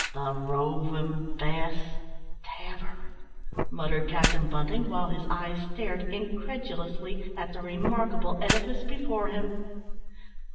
"The Roving Bess Tavern!" muttered Captain Bunting, while his eyes stared incredulously at the remarkable edifice before him.